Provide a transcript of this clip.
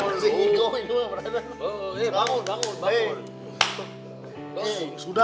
ini mah berada